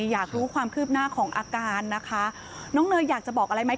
อยากรู้ความคืบหน้าของอาการนะคะน้องเนยอยากจะบอกอะไรไหม